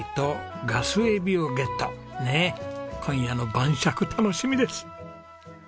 ねっ今夜の晩酌楽しみです。